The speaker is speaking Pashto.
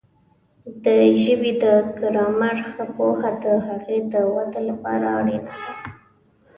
د ژبې د ګرامر ښه پوهه د هغې د وده لپاره اړینه ده.